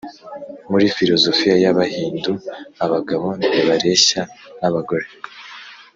muri filozofiya y’abahindu abagabo ntibareshya n’abagore.